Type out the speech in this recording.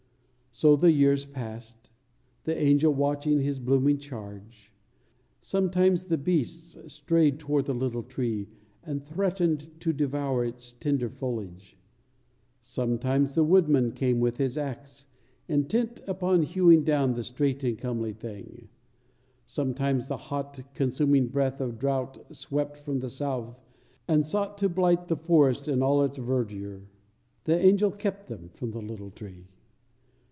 So the years passed, the angel watching his blooming charge. Sometimes the beasts strayed toward the little tree and threatened to devour its tender foliage; sometimes the woodman came with his axe, intent upon hewing down the straight and comely thing; sometimes the hot, consuming breath of drought swept from the south, and sought to blight the forest and all its verdure: the angel kept them from the little tree.